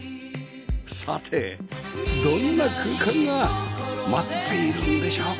さてどんな空間が待っているんでしょうか？